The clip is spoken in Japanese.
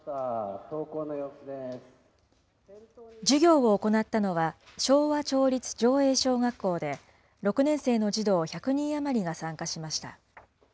授業を行ったのは、昭和町立常永小学校で、６年生の児童１００人余りが参加しました。